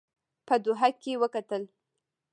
په دوحه کې وکتل.